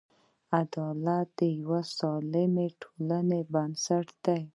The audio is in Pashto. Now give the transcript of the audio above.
عدالت د یوې سالمې ټولنې بنسټ دی.